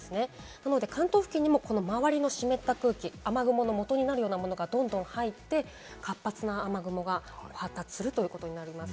なので、関東付近にも周りの湿った空気、雨雲のもとになるようなものが、どんどん入って活発な雨雲が発達するということになります。